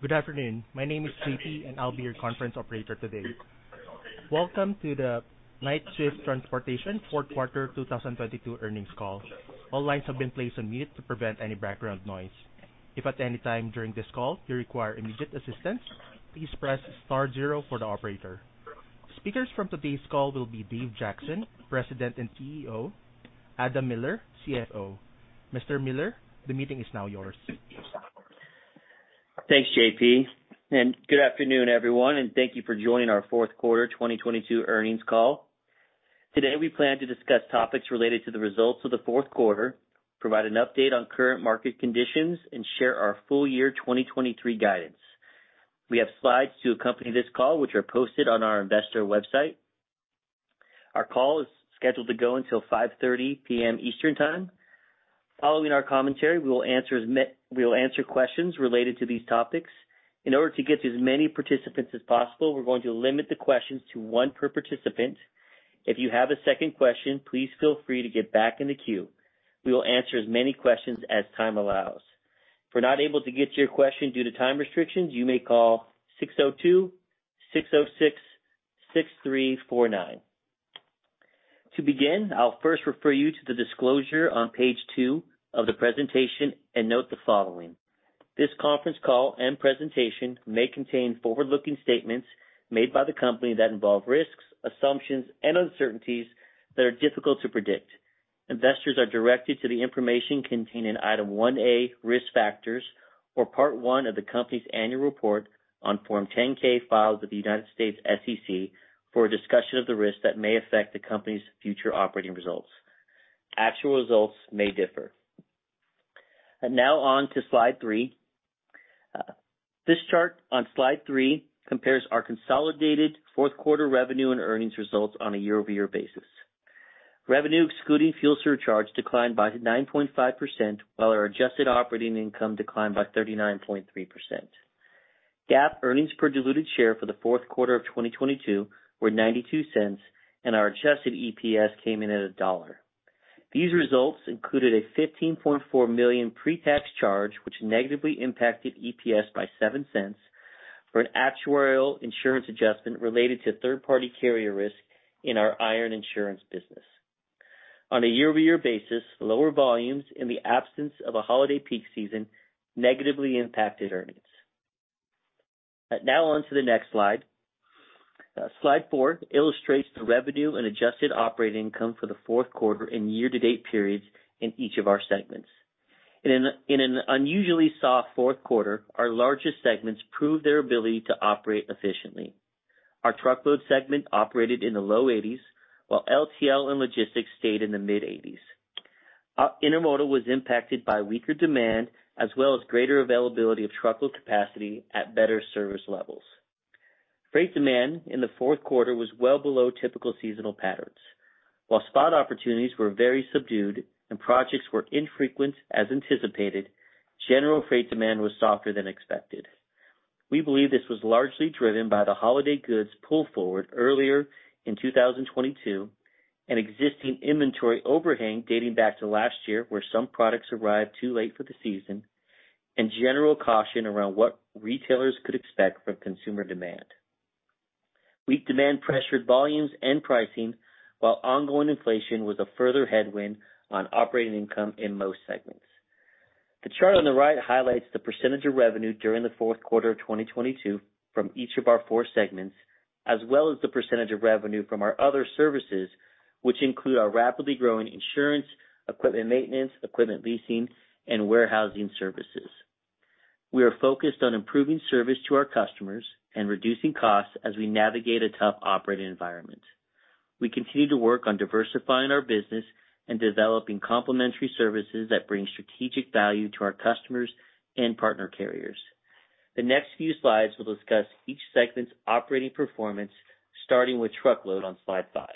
Good afternoon. My name is JP. I'll be your conference operator today. Welcome to the Knight-Swift Transportation fourth quarter 2022 earnings call. All lines have been placed on mute to prevent any background noise. If at any time during this call you require immediate assistance, please press star zero for the operator. Speakers from today's call will be Dave Jackson, President and CEO, Adam Miller, CFO. Mr. Miller, the meeting is now yours. Thanks, JP, good afternoon, everyone, and thank you for joining our fourth quarter 2022 earnings call. Today, we plan to discuss topics related to the results of the fourth quarter, provide an update on current market conditions, and share our full year 2023 guidance. We have slides to accompany this call, which are posted on our Investor website. Our call is scheduled to go until 5:30 P.M. Eastern Time. Following our commentary, we will answer questions related to these topics. In order to get to as many participants as possible, we're going to limit the questions to one per participant. If you have a second question, please feel free to get back in the queue. We will answer as many questions as time allows. If we're not able to get to your question due to time restrictions, you may call six zero two, six zero six, six three four nine. To begin, I'll first refer you to the disclosure on page two of the presentation and note the following. This conference call and presentation may contain forward-looking statements made by the company that involve risks, assumptions, and uncertainties that are difficult to predict. Investors are directed to the information contained in Item 1A, Risk Factors or Part 1 of the company's Annual Report on Form 10-K filed with the U.S. SEC for a discussion of the risks that may affect the company's future operating results. Actual results may differ. Now on to slide three. This chart on slide three compares our consolidated fourth quarter revenue and earnings results on a year-over-year basis. Revenue excluding fuel surcharge declined by 9.5%, while our adjusted operating income declined by 39.3%. GAAP earnings per diluted share for the fourth quarter of 2022 were $0.92. Our adjusted EPS came in at $1.00. These results included a $15.4 million pre-tax charge, which negatively impacted EPS by $0.07 for an actuarial insurance adjustment related to third-party carrier risk in our Iron Insurance business. On a year-over-year basis, lower volumes in the absence of a holiday peak season negatively impacted earnings. Now on to the next slide. Slide four illustrates the revenue and adjusted operating income for the fourth quarter in year-to-date periods in each of our segments. In an unusually soft fourth quarter, our largest segments proved their ability to operate efficiently. Our Truckload segment operated in the low 80s, while LTL and Logistics stayed in the mid 80s. Our Intermodal was impacted by weaker demand, as well as greater availability of truckload capacity at better service levels. Freight demand in the fourth quarter was well below typical seasonal patterns. While spot opportunities were very subdued and projects were infrequent as anticipated, general freight demand was softer than expected. We believe this was largely driven by the holiday goods pull forward earlier in 2022, an existing inventory overhang dating back to last year, where some products arrived too late for the season, and general caution around what retailers could expect from consumer demand. Weak demand pressured volumes and pricing, while ongoing inflation was a further headwind on operating income in most segments. The chart on the right highlights the percentage of revenue during the fourth quarter of 2022 from each of our four segments, as well as the percentage of revenue from our other services, which include our rapidly growing insurance, equipment maintenance, equipment leasing, and warehousing services. We are focused on improving service to our customers and reducing costs as we navigate a tough operating environment. We continue to work on diversifying our business and developing complementary services that bring strategic value to our customers and partner carriers. The next few slides will discuss each segment's operating performance, starting with Truckload on slide five.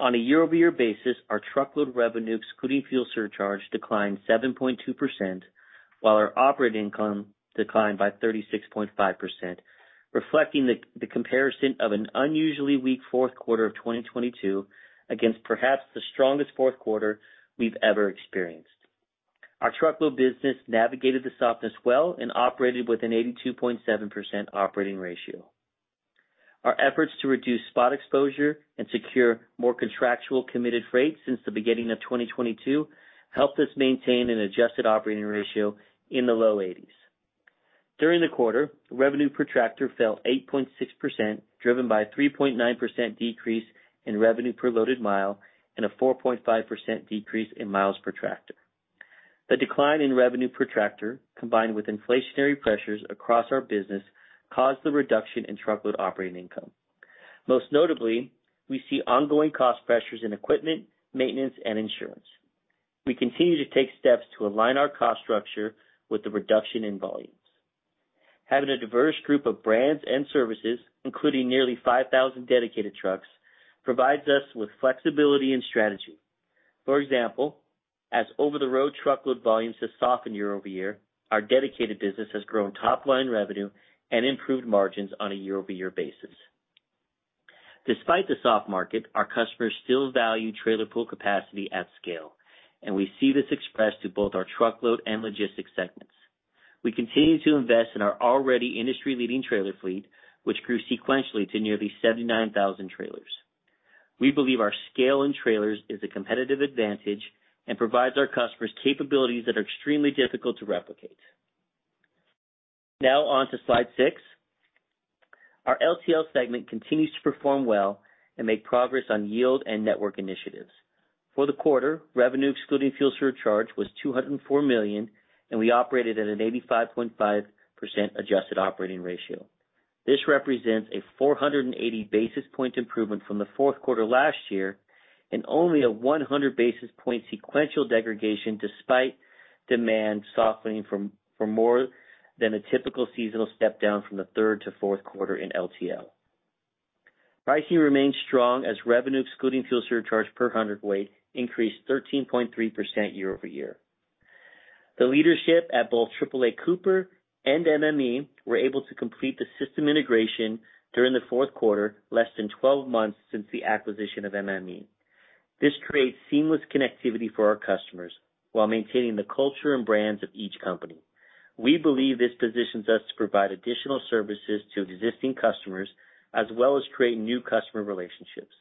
On a year-over-year basis, our Truckload revenue, excluding fuel surcharge, declined 7.2%, while our operating income declined by 36.5%, reflecting the comparison of an unusually weak fourth quarter of 2022 against perhaps the strongest fourth quarter we've ever experienced. Our Truckload business navigated the softness well and operated with an 82.7% operating ratio. Our efforts to reduce spot exposure and secure more contractual committed freight since the beginning of 2022 helped us maintain an adjusted operating ratio in the low 80s. During the quarter, revenue per tractor fell 8.6%, driven by a 3.9% decrease in revenue per loaded mile and a 4.5% decrease in miles per tractor. The decline in revenue per tractor, combined with inflationary pressures across our business, caused the reduction in Truckload operating income. Most notably, we see ongoing cost pressures in equipment, maintenance, and insurance. We continue to take steps to align our cost structure with the reduction in volumes. Having a diverse group of brands and services, including nearly 5,000 dedicated trucks, provides us with flexibility and strategy. For example, as over-the-road truckload volumes have softened year-over-year, our dedicated business has grown top-line revenue and improved margins on a year-over-year basis. Despite the soft market, our customers still value trailer pool capacity at scale, and we see this expressed through both our Truckload and Logistics segments. We continue to invest in our already industry-leading trailer fleet, which grew sequentially to nearly 79,000 trailers. We believe our scale in trailers is a competitive advantage and provides our customers capabilities that are extremely difficult to replicate. Now on to slide six. Our LTL segment continues to perform well and make progress on yield and network initiatives. For the quarter, revenue excluding fuel surcharge was $204 million, and we operated at an 85.5% adjusted operating ratio. This represents a 480 basis point improvement from the fourth quarter last year and only a 100 basis point sequential degradation despite demand softening from more than a typical seasonal step down from the third to fourth quarter in LTL. Pricing remains strong as revenue excluding fuel surcharge per hundredweight increased 13.3% year-over-year. The leadership at both AAA Cooper and MME were able to complete the system integration during the fourth quarter, less than 12 months since the acquisition of MME. This creates seamless connectivity for our customers while maintaining the culture and brands of each company. We believe this positions us to provide additional services to existing customers, as well as create new customer relationships.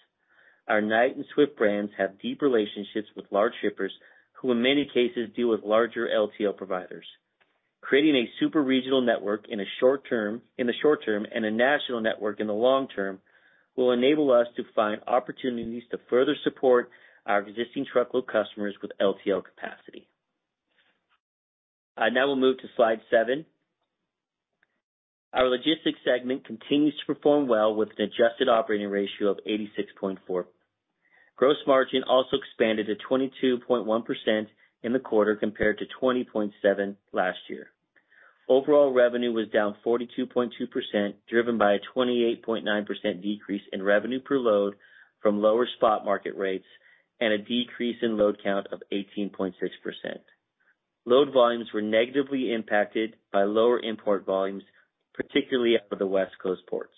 Our Knight and Swift brands have deep relationships with large shippers who in many cases deal with larger LTL providers. Creating a super-regional network in the short term and a national network in the long term will enable us to find opportunities to further support our existing truckload customers with LTL capacity. I now will move to slide seven. Our Logistics segment continues to perform well with an adjusted operating ratio of 86.4. Gross margin also expanded to 22.1% in the quarter compared to 20.7 last year. Overall revenue was down 42.2%, driven by a 28.9% decrease in revenue per load from lower spot market rates and a decrease in load count of 18.6%. Load volumes were negatively impacted by lower import volumes, particularly out of the West Coast ports.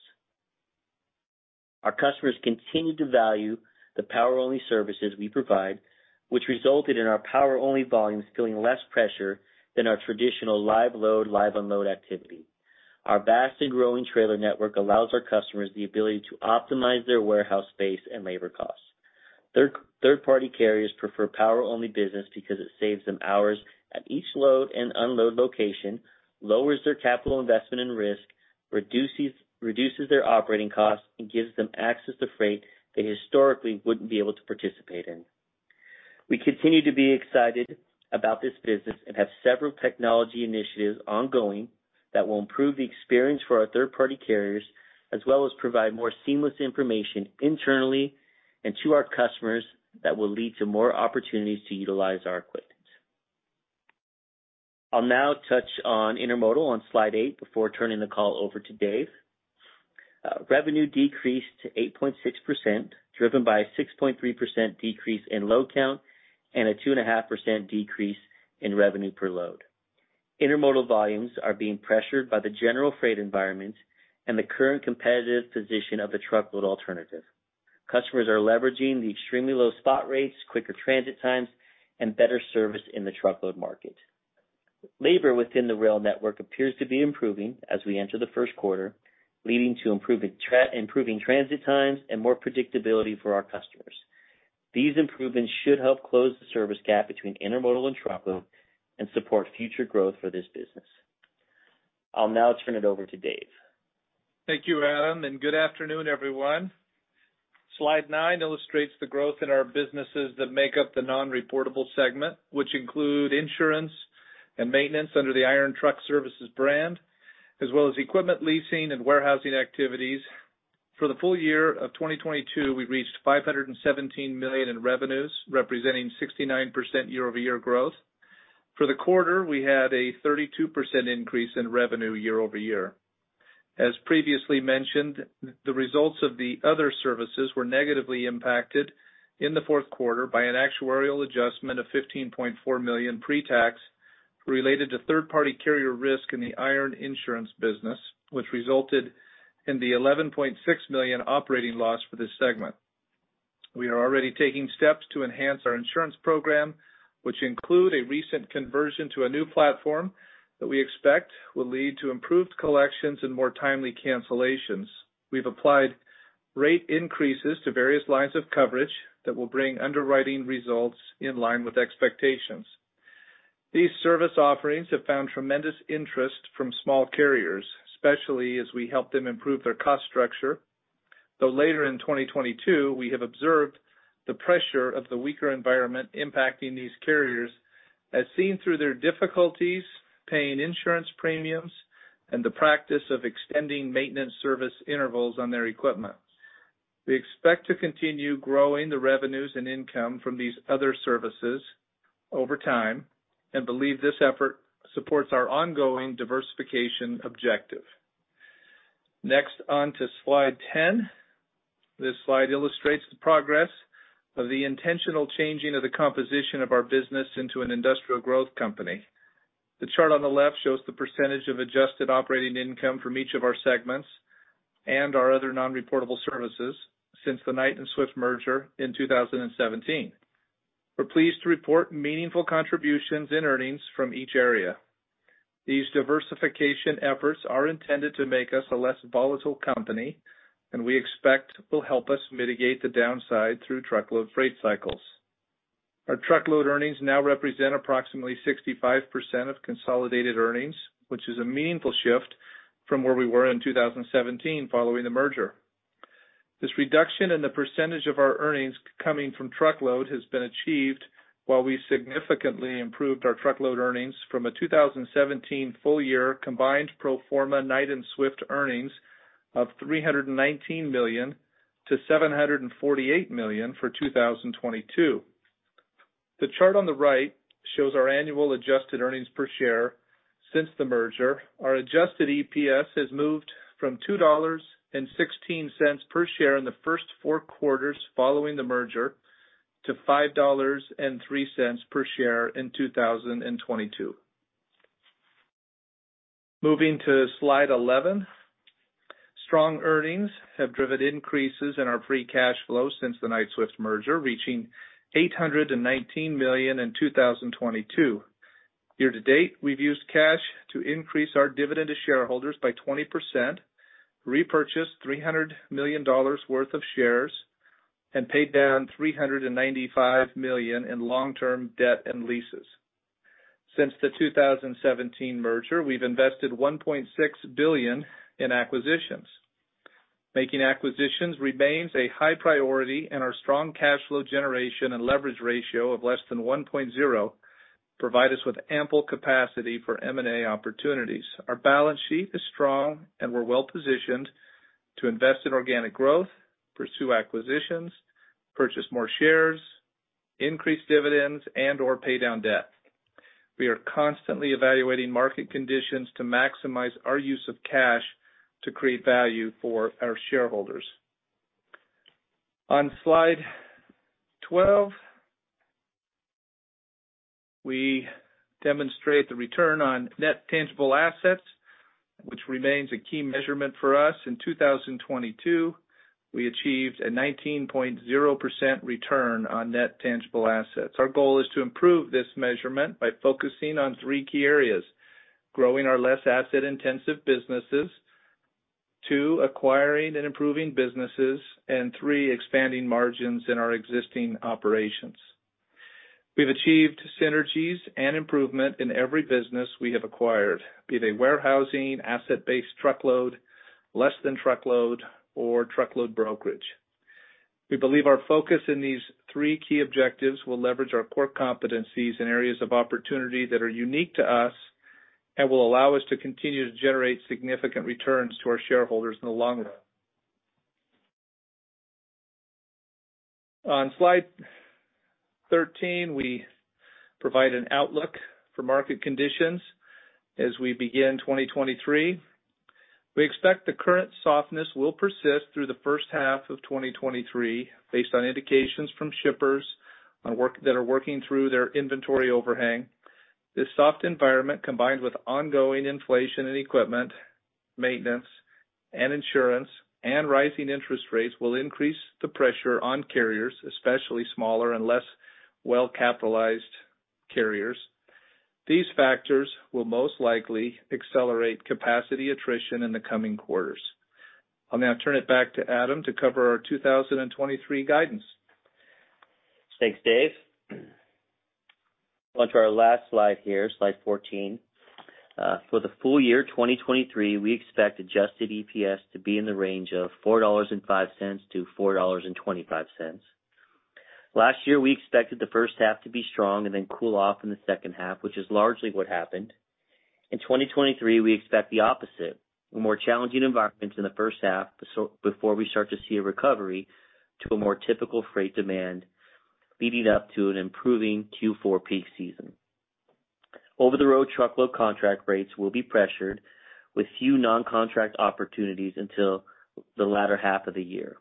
Our customers continue to value the power-only services we provide, which resulted in our power-only volumes feeling less pressure than our traditional live load, live unload activity. Our vast and growing trailer network allows our customers the ability to optimize their warehouse space and labor costs. Third, third-party carriers prefer power-only business because it saves them hours at each load and unload location, lowers their capital investment and risk, reduces their operating costs, and gives them access to freight they historically wouldn't be able to participate in. We continue to be excited about this business and have several technology initiatives ongoing that will improve the experience for our third-party carriers, as well as provide more seamless information internally and to our customers that will lead to more opportunities to utilize our equipment. I'll now touch on Intermodal on slide eight before turning the call over to Dave. Revenue decreased to 8.6%, driven by a 6.3% decrease in load count and a 2.5% decrease in revenue per load. Intermodal volumes are being pressured by the general freight environment and the current competitive position of the truckload alternative. Customers are leveraging the extremely low spot rates, quicker transit times, and better service in the truckload market. Labor within the rail network appears to be improving as we enter the first quarter, leading to improving transit times and more predictability for our customers. These improvements should help close the service gap between Intermodal and Truckload and support future growth for this business. I'll now turn it over to Dave. Thank you, Adam. Good afternoon, everyone. Slide nine illustrates the growth in our businesses that make up the non-reportable segment, which include insurance and maintenance under the Iron Truck Services brand, as well as equipment leasing and warehousing activities. For the full year of 2022, we reached $517 million in revenues, representing 69% year-over-year growth. For the quarter, we had a 32% increase in revenue year-over-year. As previously mentioned, the results of the other services were negatively impacted in the fourth quarter by an actuarial adjustment of $15.4 million pre-tax related to third-party carrier risk in the Iron Insurance business, which resulted in the $11.6 million operating loss for this segment. We are already taking steps to enhance our insurance program, which include a recent conversion to a new platform that we expect will lead to improved collections and more timely cancellations. We've applied rate increases to various lines of coverage that will bring underwriting results in line with expectations. These service offerings have found tremendous interest from small carriers, especially as we help them improve their cost structure, though later in 2022, we have observed the pressure of the weaker environment impacting these carriers, as seen through their difficulties paying insurance premiums and the practice of extending maintenance service intervals on their equipment. We expect to continue growing the revenues and income from these other services over time and believe this effort supports our ongoing diversification objective. On to slide 10. This slide illustrates the progress of the intentional changing of the composition of our business into an industrial growth company. The chart on the left shows the percentage of adjusted operating income from each of our segments and our other non-reportable services since the Knight and Swift merger in 2017. We're pleased to report meaningful contributions in earnings from each area. These diversification efforts are intended to make us a less volatile company, and we expect will help us mitigate the downside through truckload freight cycles. Our Truckload earnings now represent approximately 65% of consolidated earnings, which is a meaningful shift from where we were in 2017 following the merger. This reduction in the percentage of our earnings coming from Truckload has been achieved while we significantly improved our Truckload earnings from a 2017 full year combined pro forma Knight and Swift earnings of $319 million-$748 million for 2022. The chart on the right shows our annual adjusted earnings per share since the merger. Our adjusted EPS has moved from $2.16 per share in the first four quarters following the merger to $5.03 per share in 2022. Moving to slide 11. Strong earnings have driven increases in our free cash flow since the Knight-Swift merger, reaching $819 million in 2022. Year-to-date, we've used cash to increase our dividend to shareholders by 20%, repurchase $300 million worth of shares, and paid down $395 million in long-term debt and leases. Since the 2017 merger, we've invested $1.6 billion in acquisitions. Making acquisitions remains a high priority, and our strong cash flow generation and leverage ratio of less than 1.0 provide us with ample capacity for M&A opportunities. Our balance sheet is strong, and we're well-positioned to invest in organic growth, pursue acquisitions, purchase more shares, increase dividends, and/or pay down debt. We are constantly evaluating market conditions to maximize our use of cash to create value for our shareholders. On slide 12, we demonstrate the return on net tangible assets, which remains a key measurement for us. In 2022, we achieved a 19.0% return on net tangible assets. Our goal is to improve this measurement by focusing on three key areas, growing our less asset-intensive businesses. Two, acquiring and improving businesses. Three, expanding margins in our existing operations. We've achieved synergies and improvement in every business we have acquired, be they warehousing, asset-based truckload, less-than-truckload, or truckload brokerage. We believe our focus in these three key objectives will leverage our core competencies in areas of opportunity that are unique to us and will allow us to continue to generate significant returns to our shareholders in the long run. On slide 13, we provide an outlook for market conditions as we begin 2023. We expect the current softness will persist through the first half of 2023, based on indications from shippers on work, that are working through their inventory overhang. This soft environment, combined with ongoing inflation in equipment, maintenance, and insurance, and rising interest rates will increase the pressure on carriers, especially smaller and less well-capitalized carriers. These factors will most likely accelerate capacity attrition in the coming quarters. I'll now turn it back to Adam to cover our 2023 guidance. Thanks, Dave. On to our last slide here, slide 14. For the full year 2023, we expect adjusted EPS to be in the range of $4.05-$4.25. Last year, we expected the first half to be strong and then cool off in the second half, which is largely what happened. In 2023, we expect the opposite, a more challenging environment in the first half, before we start to see a recovery to a more typical freight demand leading up to an improving Q4 peak season. Over-the-road truckload contract rates will be pressured with few non-contract opportunities until the latter half of the year.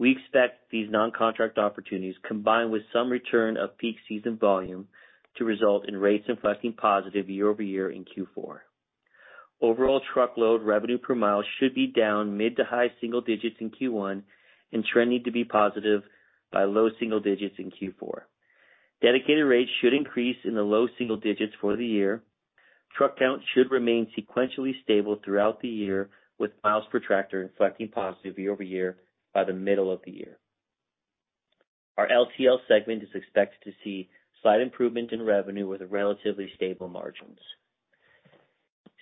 We expect these non-contract opportunities, combined with some return of peak season volume, to result in rates inflecting positive year-over-year in Q4. Overall truckload revenue per mile should be down mid to high single digits in Q1 and trending to be positive by low single digits in Q4. Dedicated rates should increase in the low single digits for the year. Truck count should remain sequentially stable throughout the year, with miles per tractor inflecting positive year-over-year by the middle of the year. Our LTL segment is expected to see slight improvement in revenue with relatively stable margins.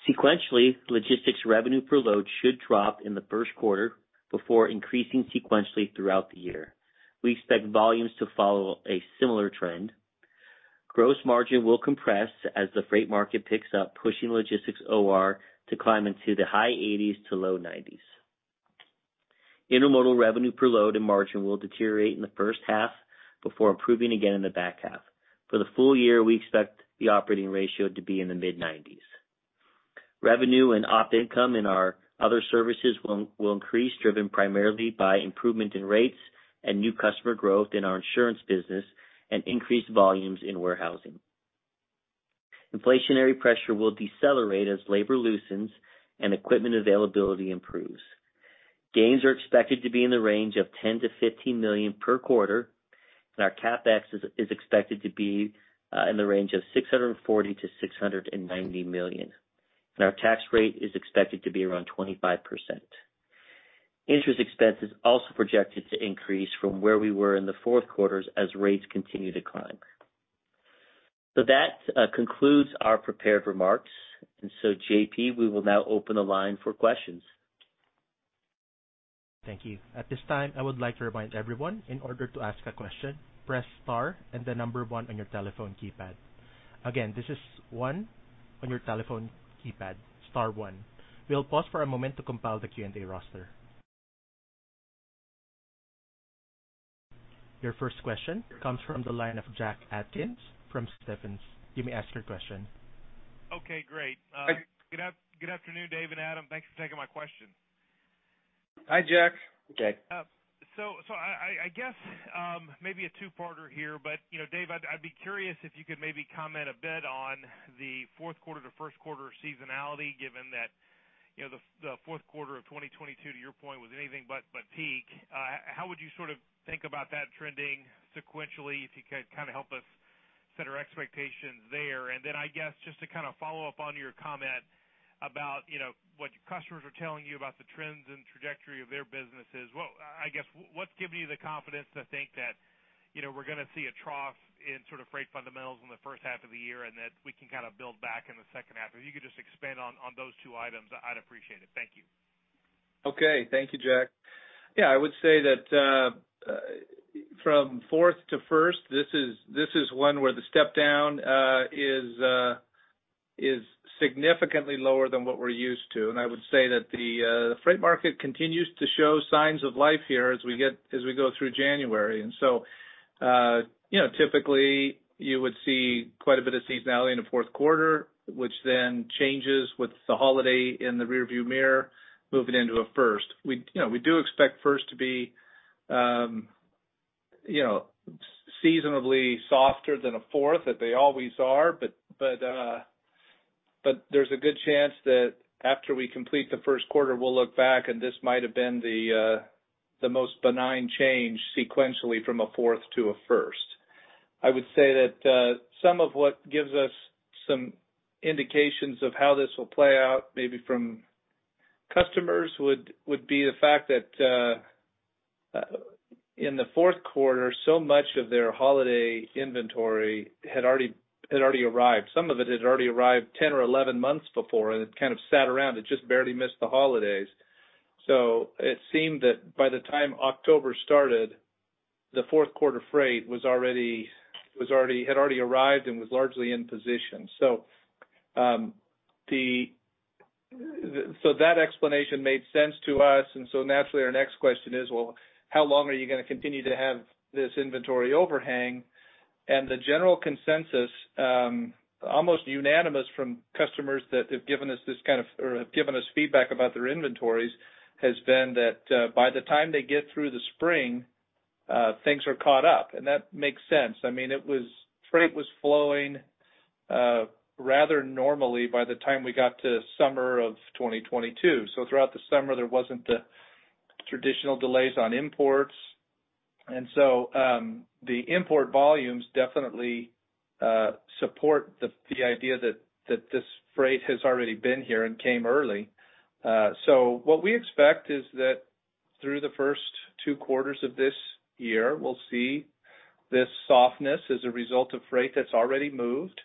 Sequentially, Logistics revenue per load should drop in the first quarter before increasing sequentially throughout the year. We expect volumes to follow a similar trend. Gross margin will compress as the freight market picks up, pushing Logistics OR to climb into the high 80s to low 90s. Intermodal revenue per load and margin will deteriorate in the first half before improving again in the back half. For the full year, we expect the operating ratio to be in the mid 90s. Revenue and op income in our other services will increase, driven primarily by improvement in rates and new customer growth in our Iron Insurance business and increased volumes in warehousing. Inflationary pressure will decelerate as labor loosens and equipment availability improves. Gains are expected to be in the range of $10 million-$15 million per quarter, and our CapEx is expected to be in the range of $640 million-$690 million. Our tax rate is expected to be around 25%. Interest expense is also projected to increase from where we were in the fourth quarters as rates continue to climb. That concludes our prepared remarks. JP, we will now open the line for questions. Thank you. At this time, I would like to remind everyone, in order to ask a question, press star and the number one on your telephone keypad. Again, this is one on your telephone keypad, star one. We'll pause for a moment to compile the Q&A roster. Your first question comes from the line of Jack Atkins from Stephens. You may ask your question. Okay, great. good afternoon, Dave and Adam. Thanks for taking my question. Hi, Jack. Hi, Jack. I guess, maybe a two-parter here, but, you know, Dave, I'd be curious if you could maybe comment a bit on the fourth quarter to first quarter seasonality, given that, you know, the fourth quarter of 2022, to your point, was anything but peak. How would you sort of think about that trending sequentially, if you could kind of help us set our expectations there? I guess just to kind of follow up on your comment about, you know, what your customers are telling you about the trends and trajectory of their businesses, what's giving you the confidence to think that, you know, we're gonna see a trough in sort of freight fundamentals in the first half of the year, and that we can kind of build back in the second half? If you could just expand on those two items, I'd appreciate it. Thank you. Okay. Thank you, Jack. Yeah, I would say that from fourth to first, this is one where the step-down is significantly lower than what we're used to. I would say that the freight market continues to show signs of life here as we go through January. You know, typically you would see quite a bit of seasonality in the fourth quarter, which then changes with the holiday in the rearview mirror moving into a first. We, you know, we do expect first to be, you know, seasonably softer than a fourth, that they always are, but there's a good chance that after we complete the first quarter, we'll look back and this might have been the most benign change sequentially from a fourth to a first. I would say that some of what gives us some indications of how this will play out, maybe from customers would be the fact that in the fourth quarter, so much of their holiday inventory had already arrived. Some of it had already arrived 10 or 11 months before, and it kind of sat around. It just barely missed the holidays. It seemed that by the time October started, the fourth quarter freight was already had already arrived and was largely in position. The so that explanation made sense to us, and so naturally our next question is, well, how long are you gonna continue to have this inventory overhang? The general consensus, almost unanimous from customers that have given us this kind of, or have given us feedback about their inventories, has been that by the time they get through the spring, things are caught up. That makes sense. I mean, freight was flowing rather normally by the time we got to summer of 2022. Throughout the summer, there wasn't the traditional delays on imports. The import volumes definitely support the idea that this freight has already been here and came early. What we expect is that through the first two quarters of this year, we'll see this softness as a result of freight that's already moved,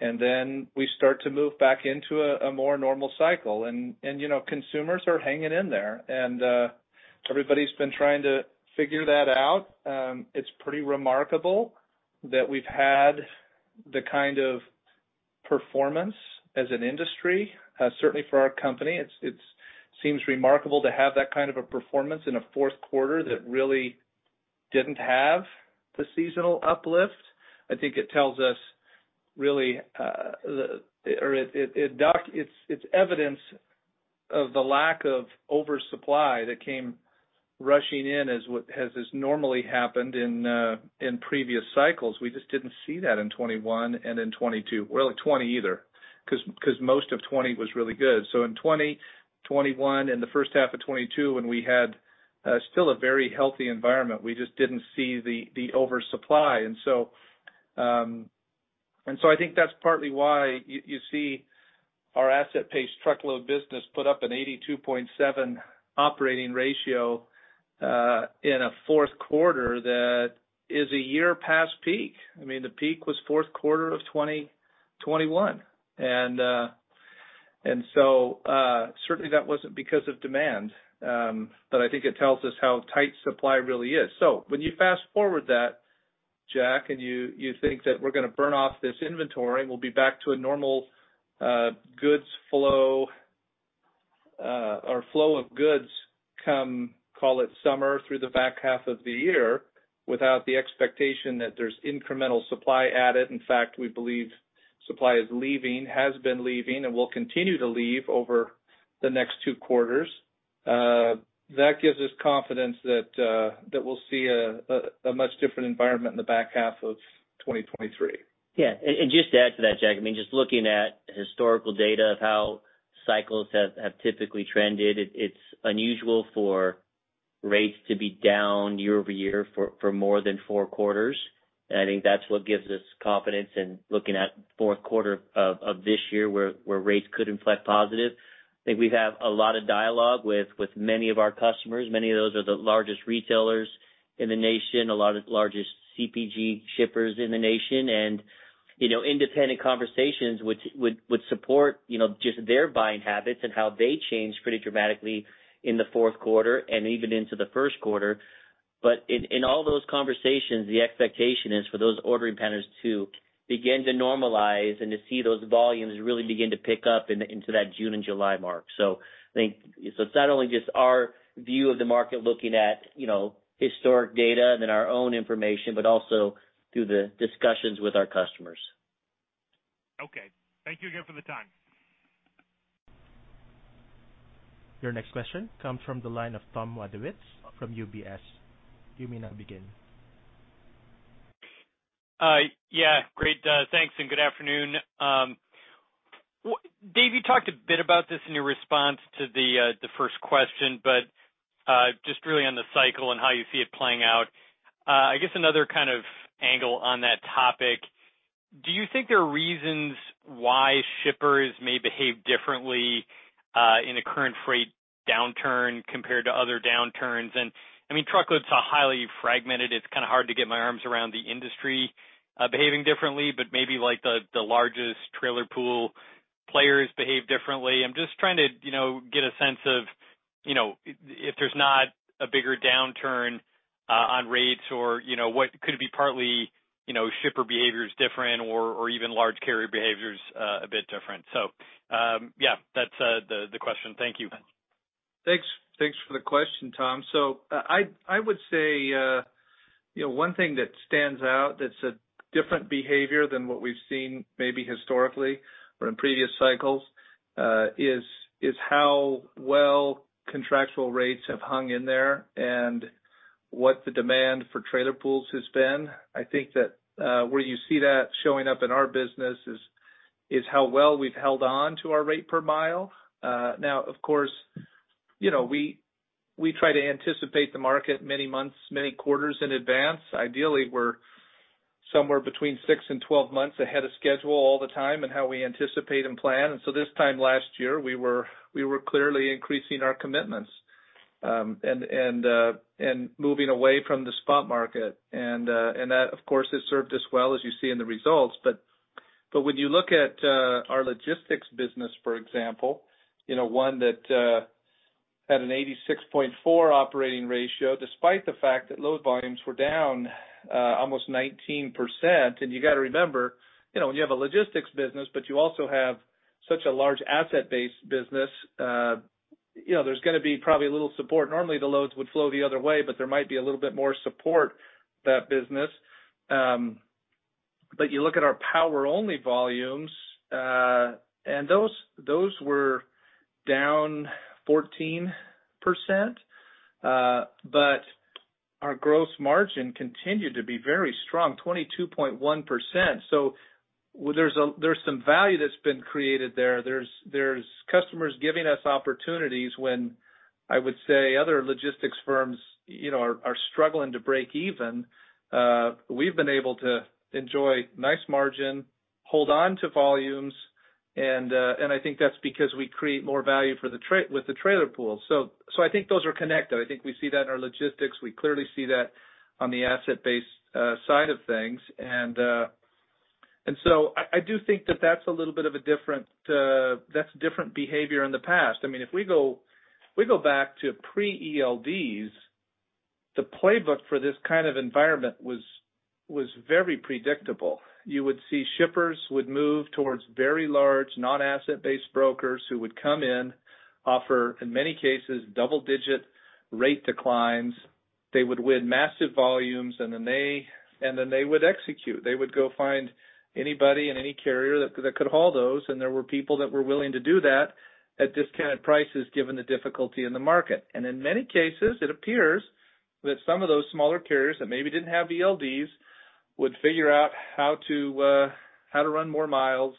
and then we start to move back into a more normal cycle. You know, consumers are hanging in there. Everybody's been trying to figure that out. It's pretty remarkable that we've had the kind of performance as an industry. Certainly for our company, it's seems remarkable to have that kind of a performance in a fourth quarter that really didn't have the seasonal uplift. I think it tells us really, the, or it's evidence of the lack of oversupply that came rushing in as what, as has normally happened in previous cycles. We just didn't see that in 2021 and in 2022. Well, in 2020 either, 'cause most of 2020 was really good. In 2020, 2021, and the first half of 2022, when we had still a very healthy environment, we just didn't see the oversupply. I think that's partly why you see our asset-based truckload business put up an 82.7 operating ratio in a fourth quarter that is a year past peak. I mean, the peak was fourth quarter of 2021. Certainly that wasn't because of demand. I think it tells us how tight supply really is. When you fast-forward that, Jack, and you think that we're gonna burn off this inventory and we'll be back to a normal goods flow, our flow of goods come, call it summer through the back half of the year, without the expectation that there's incremental supply added. In fact, we believe supply is leaving, has been leaving, and will continue to leave over the next two quarters. That gives us confidence that we'll see a much different environment in the back half of 2023. Yeah. Just to add to that, Jack, I mean, just looking at historical data of how cycles have typically trended, it's unusual for rates to be down year-over-year for more than four quarters. I think that's what gives us confidence in looking at fourth quarter of this year where rates could inflect positive. I think we've had a lot of dialogue with many of our customers. Many of those are the largest retailers in the nation, a lot of largest CPG shippers in the nation. You know, independent conversations which would support, you know, just their buying habits and how they change pretty dramatically in the fourth quarter and even into the first quarter. In all those conversations, the expectation is for those ordering patterns to begin to normalize and to see those volumes really begin to pick up into that June and July mark. I think it's not only just our view of the market looking at, you know, historic data, then our own information, but also through the discussions with our customers. Okay. Thank you again for the time. Your next question comes from the line of Tom Wadewitz from UBS. You may now begin. Yeah, great. Thanks. Good afternoon. Dave, you talked a bit about this in your response to the first question, just really on the cycle and how you see it playing out. I guess another kind of angle on that topic, do you think there are reasons why shippers may behave differently in a current freight downturn compared to other downturns? I mean, truckloads are highly fragmented. It's kind of hard to get my arms around the industry behaving differently, maybe like the largest trailer pool players behave differently. I'm just trying to, you know, get a sense of, you know, if there's not a bigger downturn on rates or, you know, what could be partly shipper behavior is different or even large carrier behavior is a bit different. Yeah, that's the question. Thank you. Thanks. Thanks for the question, Tom. I would say, you know, one thing that stands out that's a different behavior than what we've seen maybe historically or in previous cycles, is how well contractual rates have hung in there and what the demand for trailer pools has been. I think that, where you see that showing up in our business is how well we've held on to our rate per mile. Now, of course, you know, we try to anticipate the market many months, many quarters in advance. Ideally, we're somewhere between six and 12 months ahead of schedule all the time in how we anticipate and plan. This time last year, we were clearly increasing our commitments and moving away from the spot market. That, of course, has served us well, as you see in the results. When you look at our Logistics business, for example, you know, one that had an 86.4 operating ratio, despite the fact that load volumes were down almost 19%. You got to remember, you know, when you have a logistics business, but you also have such a large asset-based business, you know, there's going to be probably a little support. Normally, the loads would flow the other way, but there might be a little bit more support that business. You look at our power-only volumes, those were down 14%. Our gross margin continued to be very strong, 22.1%. There's some value that's been created there. There's customers giving us opportunities when I would say other logistics firms, you know, are struggling to break even. We've been able to enjoy nice margin, hold on to volumes, and I think that's because we create more value for the trailer pool. I think those are connected. I think we see that in our Logistics. We clearly see that on the asset-based side of things. I do think that's a little bit of a different, that's different behavior in the past. I mean, if we go back to pre-ELDs, the playbook for this kind of environment was very predictable. You would see shippers would move towards very large non-asset-based brokers who would come in, offer, in many cases, double-digit rate declines. They would win massive volumes. Then they would execute. They would go find anybody and any carrier that could haul those. There were people that were willing to do that at discounted prices, given the difficulty in the market. In many cases, it appears that some of those smaller carriers that maybe didn't have ELDs would figure out how to run more miles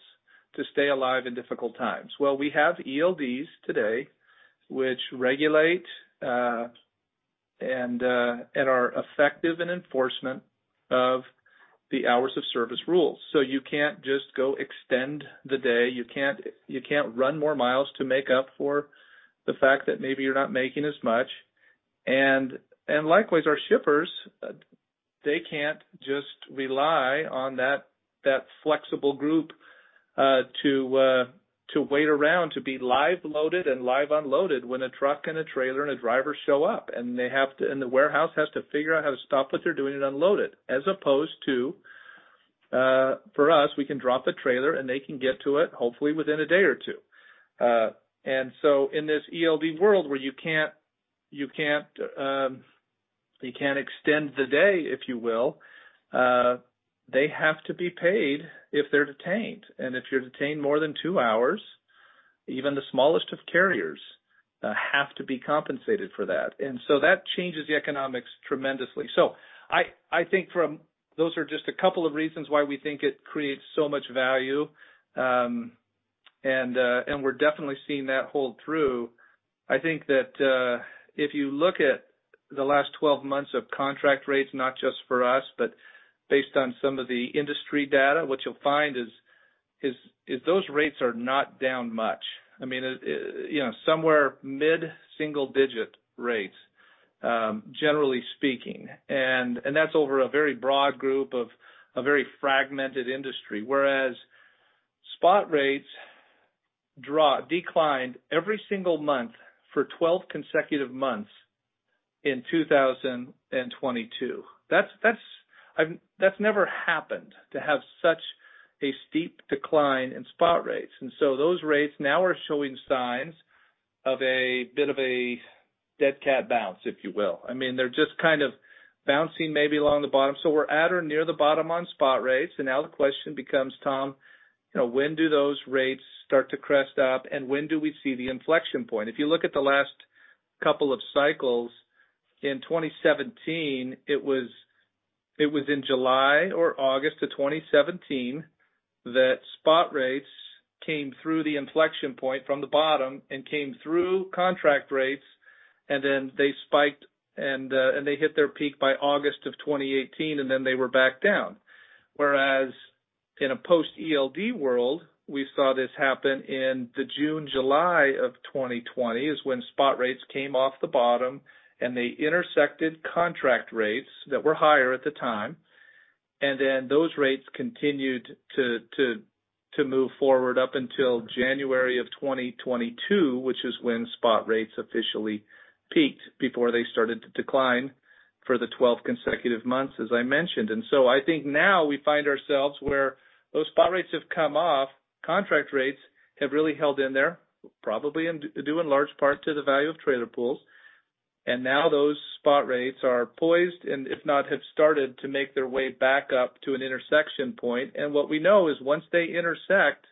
to stay alive in difficult times. Well, we have ELDs today which regulate and are effective in enforcement of the hours of service rules. You can't just go extend the day. You can't run more miles to make up for the fact that maybe you're not making as much. Likewise, our shippers, they can't just rely on that flexible group to wait around to be live loaded and live unloaded when a truck and a trailer and a driver show up, and the warehouse has to figure out how to stop what they're doing and unload it, as opposed to. For us, we can drop the trailer, and they can get to it, hopefully within a day or two. In this ELD world where you can't extend the day, if you will, they have to be paid if they're detained. If you're detained more than two hours, even the smallest of carriers have to be compensated for that. That changes the economics tremendously. So I think from... Those are just a couple of reasons why we think it creates so much value. We're definitely seeing that hold through. I think that if you look at the last 12 months of contract rates, not just for us, but based on some of the industry data, what you'll find is those rates are not down much. I mean, you know, somewhere mid single digit rates, generally speaking, and that's over a very broad group of a very fragmented industry. Whereas spot rates declined every single month for 12 consecutive months in 2022. That's, that's never happened to have such a steep decline in spot rates. Those rates now are showing signs of a bit of a dead cat bounce, if you will. I mean, they're just kind of bouncing maybe along the bottom. We're at or near the bottom on spot rates, and now the question becomes, Tom, you know, when do those rates start to crest up, and when do we see the inflection point? If you look at the last couple of cycles, in 2017 it was, it was in July or August 2017 that spot rates came through the inflection point from the bottom and came through contract rates, and then they spiked and they hit their peak by August of 2018, and then they were back down. Whereas in a post-ELD world, we saw this happen in the June, July 2020 is when spot rates came off the bottom, and they intersected contract rates that were higher at the time. Those rates continued to move forward up until January 2022, which is when spot rates officially peaked before they started to decline for the 12 consecutive months, as I mentioned. I think now we find ourselves where those spot rates have come off, contract rates have really held in there, probably in large part to the value of trailer pools. Now those spot rates are poised and if not, have started to make their way back up to an intersection point. What we know is once they intersect,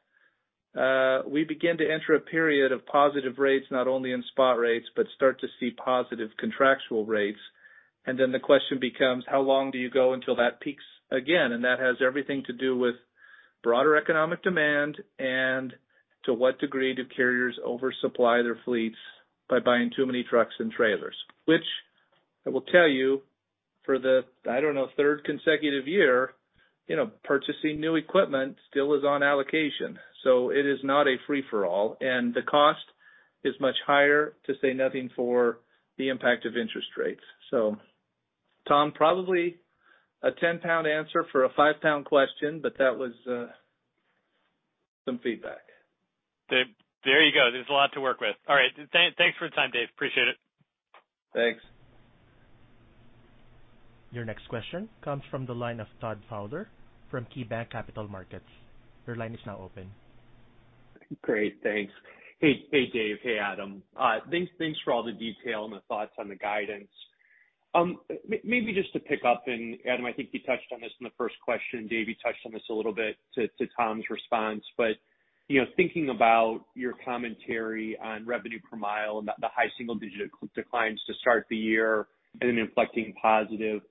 we begin to enter a period of positive rates, not only in spot rates, but start to see positive contractual rates. The question becomes how long do you go until that peaks again. That has everything to do with broader economic demand and to what degree do carriers oversupply their fleets by buying too many trucks and trailers, which I will tell you for the, I don't know, third consecutive year, you know, purchasing new equipment still is on allocation, it is not a free-for-all, and the cost is much higher, to say nothing for the impact of interest rates. Tom, probably a 10-pound answer for a five-pound question, but that was some feedback. There you go. There's a lot to work with. All right. Thanks for your time, Dave. Appreciate it. Thanks. Your next question comes from the line of Todd Fowler from KeyBanc Capital Markets. Your line is now open. Great. Thanks. Hey, hey Dave. Hey Adam. Thanks for all the detail and the thoughts on the guidance. Maybe just to pick up, and Adam, I think you touched on this in the first question. Dave, you touched on this a little bit to Tom's response. You know, thinking about your commentary on revenue per mile and the high single-digit declines to start the year and then inflecting positive,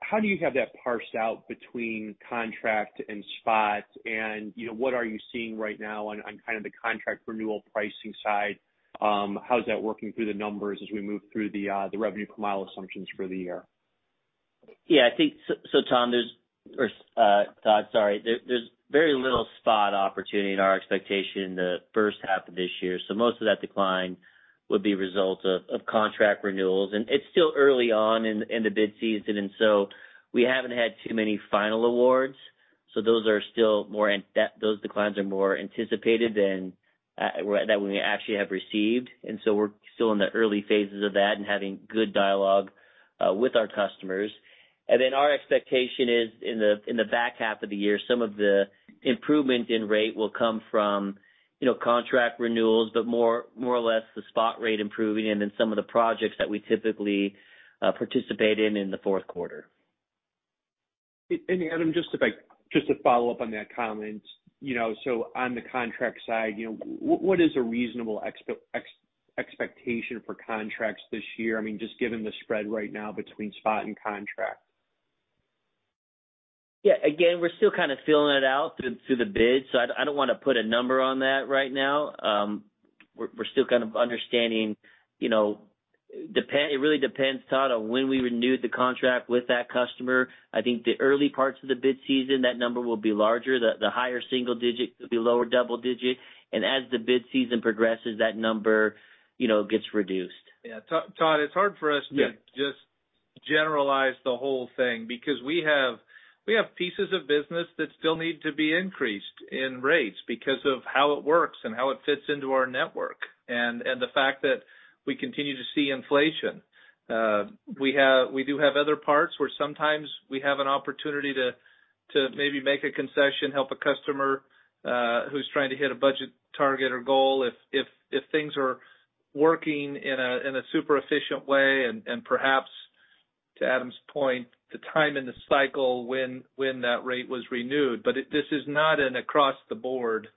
how do you have that parsed out between contract and spot? You know, what are you seeing right now on kind of the contract renewal pricing side? How is that working through the numbers as we move through the revenue per mile assumptions for the year? Yeah, I think so, Tom, there's, or Todd, sorry. There's very little spot opportunity in our expectation in the first half of this year, so most of that decline would be a result of contract renewals. It's still early on in the bid season, we haven't had too many final awards, so those declines are more anticipated than that we actually have received. We're still in the early phases of that and having good dialogue with our customers. Our expectation is in the back half of the year, some of the improvement in rate will come from, you know, contract renewals, but more or less the spot rate improving and in some of the projects that we typically participate in the fourth quarter. Adam, just to follow up on that comment, you know, on the contract side, you know, what is a reasonable expectation for contracts this year? I mean, just given the spread right now between spot and contract. Yeah. Again, we're still kind of feeling it out through the bids, so I don't want to put a number on that right now. We're still kind of understanding, you know, it really depends, Todd, on when we renewed the contract with that customer. I think the early parts of the bid season, that number will be larger, the higher single-digit could be lower double-digit, and as the bid season progresses, that number, you know, gets reduced. Yeah, Todd, it's hard for us- Yeah. To just generalize the whole thing because we have, we have pieces of business that still need to be increased in rates because of how it works and how it fits into our network and the fact that we continue to see inflation. We do have other parts where sometimes we have an opportunity to maybe make a concession, help a customer who's trying to hit a budget target or goal if, if things are working in a super efficient way, and perhaps to Adam's point, the time in the cycle when that rate was renewed. This is not an across the board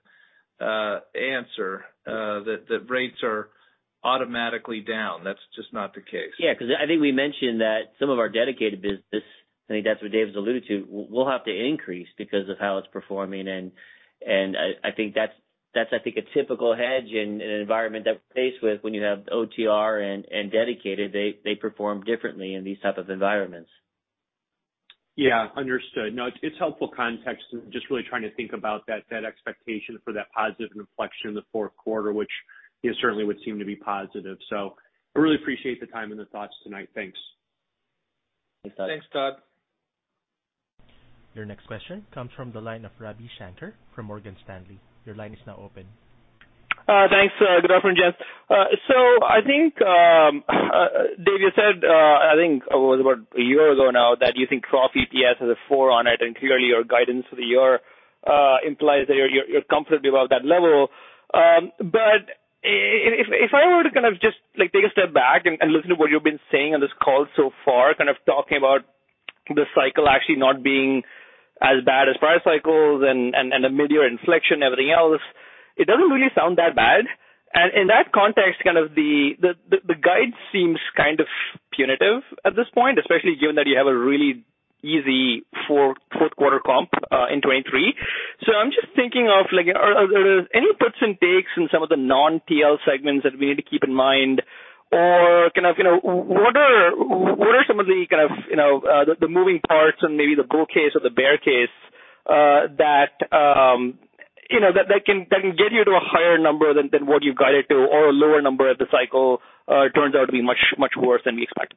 answer that rates are automatically down. That's just not the case. Yeah, 'cause I think we mentioned that some of our dedicated business, I think that's what Dave's alluded to, will have to increase because of how it's performing. I think that's, I think, a typical hedge in an environment that we're faced with when you have OTR and dedicated, they perform differently in these type of environments. Understood. It's helpful context, just really trying to think about that expectation for that positive inflection in the fourth quarter, which certainly would seem to be positive. I really appreciate the time and the thoughts tonight. Thanks. Thanks, Todd. Thanks, Todd. Your next question comes from the line of Ravi Shanker from Morgan Stanley. Your line is now open. Thanks. Good afternoon, gents. I think Dave, you said, I think it was about a year ago now that you think raw EPS has a 4 on it, and clearly your guidance for the year implies that you're comfortable above that level. If I were to kind of just, like, take a step back and listen to what you've been saying on this call so far, kind of talking about the cycle actually not being as bad as prior cycles and the mid-year inflection, everything else, it doesn't really sound that bad. In that context, kind of the guide seems kind of punitive at this point, especially given that you have a really easy fourth quarter comp in 2023. I'm just thinking of, like, are there any puts and takes in some of the non-TL segments that we need to keep in mind? Kind of, you know, what are some of the, kind of, you know, the moving parts and maybe the bull case or the bear case, that, you know, that can get you to a higher number than what you guided to or a lower number if the cycle turns out to be much worse than we expect?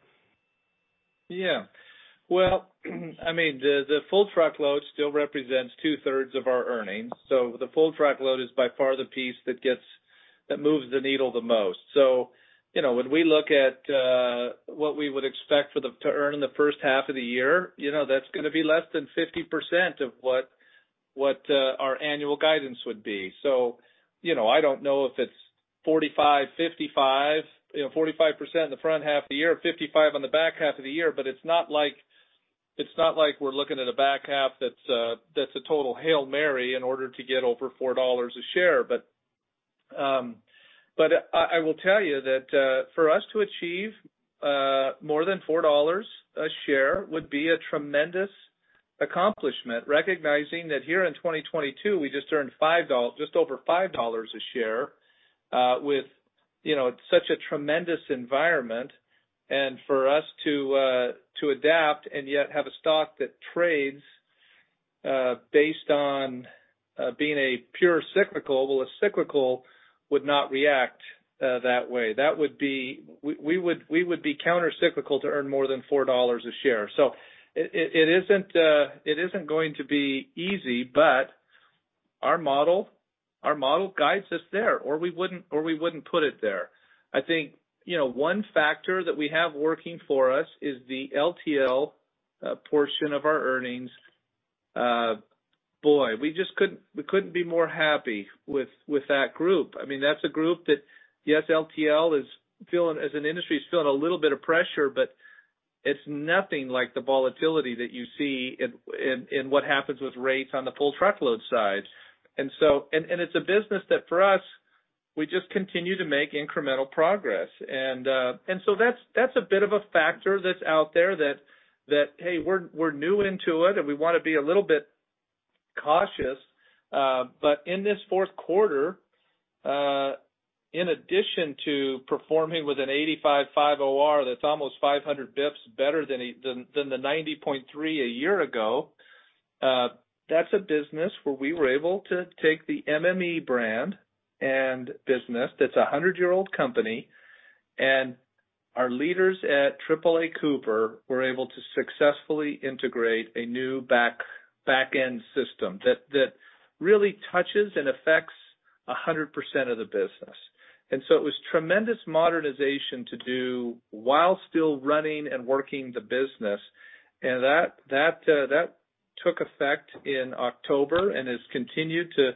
I mean, the full truckload still represents 2/3 of our earnings. The full truckload is by far the piece that moves the needle the most. You know, when we look at what we would expect to earn in the first half of the year, you know that's going to be less than 50% of what our annual guidance would be. You know, I don't know if it's 45%, 55%, you know, 45% in the front half of the year, 55% on the back half of the year. It's not like, it's not like we're looking at a back half that's a total Hail Mary in order to get over $4 a share. I will tell you that for us to achieve more than $4 a share would be a tremendous accomplishment, recognizing that here in 2022, we just earned just over $5 a share with, you know, such a tremendous environment. For us to adapt and yet have a stock that trades based on being a pure cyclical, well, a cyclical would not react that way. We would be countercyclical to earn more than $4 a share. It isn't going to be easy, but our model guides us there or we wouldn't put it there. I think, you know, one factor that we have working for us is the LTL portion of our earnings. Boy, we just couldn't be more happy with that group. I mean, that's a group that, yes, LTL is feeling as an industry is feeling a little bit of pressure, but it's nothing like the volatility that you see in what happens with rates on the full truckload side. It's a business that for us, we just continue to make incremental progress. That's a bit of a factor that's out there that, hey, we're new into it and we want to be a little bit cautious. In this fourth quarter, in addition to performing with an 85.5 OR that's almost 500 basis points better than the 90.3 a year ago, that's a business where we were able to take the MME brand and business that's a 100-year-old company, and our leaders at AAA Cooper were able to successfully integrate a new backend system that really touches and affects 100% of the business. It was tremendous modernization to do while still running and working the business. That took effect in October and has continued to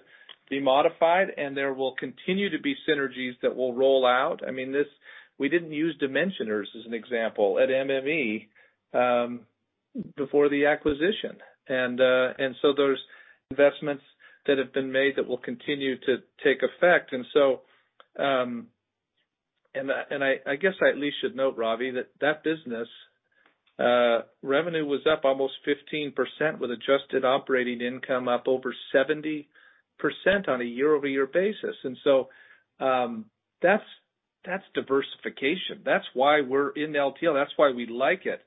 be modified. There will continue to be synergies that will roll out. I mean, this, we didn't use dimensioners as an example at MME before the acquisition. Those investments that have been made that will continue to take effect. I should note, Ravi, that that business revenue was up almost 15% with adjusted operating income up over 70% on a year-over-year basis. That's diversification. That's why we're in LTL. That's why we like it.